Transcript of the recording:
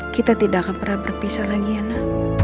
kita tidak akan pernah berpisah lagi enak